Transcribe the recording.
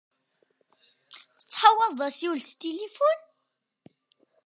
Tettḥawaleḍ asiwel s tilifun?